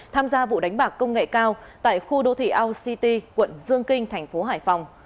tham gia vụ đánh bạc công nghệ cao tại khu đô thị aung city quận dương kinh tp hcm